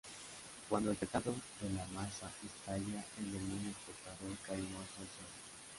Cuando el petardo de la maza estalla el demonio portador cae muerto al suelo.